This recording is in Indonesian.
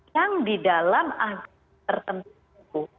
yang didalam agama tertentu